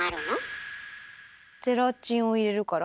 ゼラチンを入れるから？